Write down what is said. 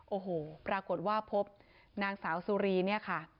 โอ้โหปรากฏว่าพบนางสาวสุรีเนี่ยค่ะ